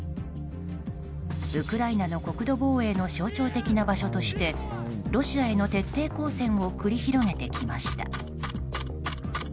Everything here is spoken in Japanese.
ウクライナの国土防衛の象徴的な場所としてロシアへの徹底抗戦を繰り広げてきました。